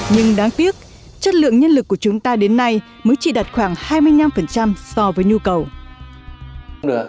nhưng đáng tiếc chất lượng nhân lực của chúng ta đến nay mới chỉ đạt khoảng hai mươi năm so với nhu cầu